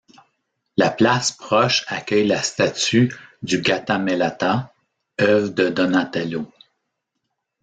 La place proche accueille la statue du Gattamelata, œuvre de Donatello.